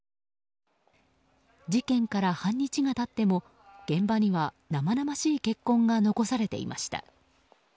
事件から半日が経っても現場には、生々しい血痕が残されていました。